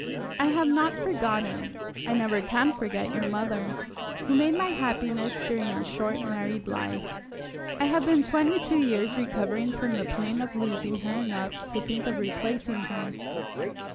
I have not forgotten I never can forget your mother, who made my happiness during our short married life. I have been twenty years recovering from the pain of losing her enough to think of replacing her."